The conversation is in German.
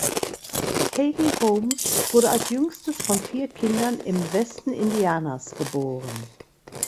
Hayley Holmes wurde als jüngstes von vier Kindern im Westen Indianas geboren.